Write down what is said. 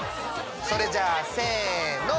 それじゃあせの。